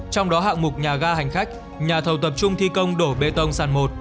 trong đó hạng mục nhà ga hành khách nhà thầu tập trung thi công đổ bê tông sản một